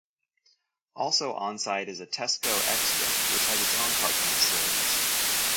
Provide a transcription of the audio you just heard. Also onsite is a Tesco Extra which has its own parking facilities.